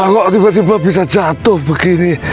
kalau tiba tiba bisa jatuh begini